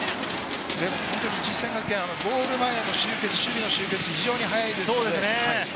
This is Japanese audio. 実践学園、ゴール前の守備の集結が非常に速いですね。